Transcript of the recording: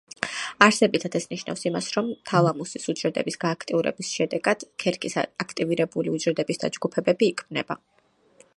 არსებითად, ეს ნიშნავს იმას, რომ თალამუსის უჯრედების გააქტიურების შედეგად ქერქის აქტივირებული უჯრედების დაჯგუფებები იქმნება.